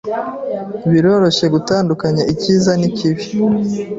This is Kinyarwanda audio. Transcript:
Biroroshye gutandukanya icyiza n'ikibi.